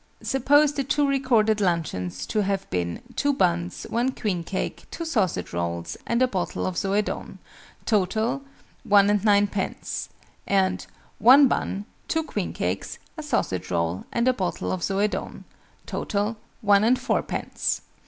Suppose the two recorded luncheons to have been "2 buns, one queen cake, 2 sausage rolls, and a bottle of Zoëdone: total, one and ninepence," and "one bun, 2 queen cakes, a sausage roll, and a bottle of Zoëdone: total, one and fourpence."